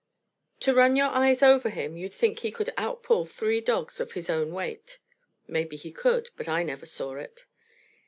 To run your eyes over him, you'd think he could outpull three dogs of his own weight. Maybe he could, but I never saw it.